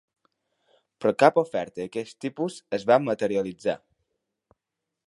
Però cap oferta d'aquest tipus es va materialitzar.